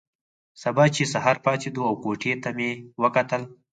سبا چې سهار پاڅېدو او کوټې ته مې وکتل.